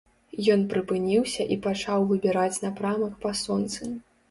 Ён прыпыніўся і пачаў выбіраць напрамак па сонцы.